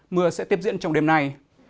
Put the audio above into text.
mưa sẽ tiếp diễn trong đêm nay